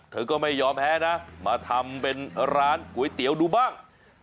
เธอก็ไม่ยอมแพ้นะมาทำเป็นร้านก๋วยเตี๋ยวดูบ้าง